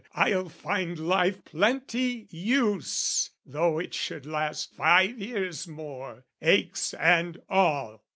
I'll find life plenty use Though it should last five years more, aches and all!